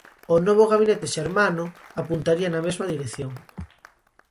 O novo gabinete xermano apuntaría na mesma dirección.